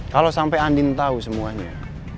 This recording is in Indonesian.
kalau sampai andin tahu semuanya